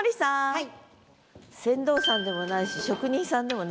はい。